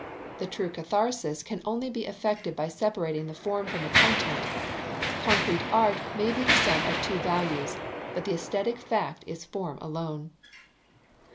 The true catharsis can only be effected by separating the form from the content. Concrete art may be the sum of two values, but the aesthetic fact is form alone.